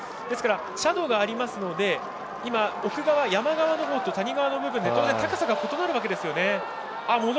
ですから斜度がありますので今、奥側の山側のほうと谷の部分で当然、高さが異なるわけですね。